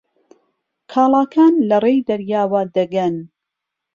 کاڵاکان لەڕێی دەریاوە دەگەن.